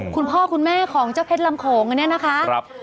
คุณพ่อคุณแม่ของเจ้าเพชรลำโขงอันนี้นะคะ